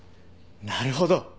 なるほど。